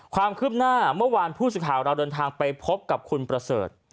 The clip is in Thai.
ความคืบหน้าเมื่อวานผู้สื่อข่าวเราเดินทางไปพบกับคุณประเสริฐ